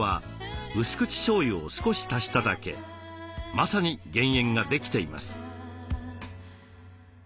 まさに減塩ができています。